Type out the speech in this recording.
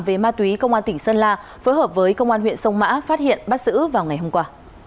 về ma túy công an tỉnh sơn la phối hợp với công an huyện sông mã phát hiện bắt giữ vào ngày hôm qua